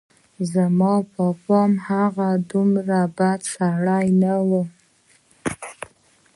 زما په پام هغه څومره بد سړى و.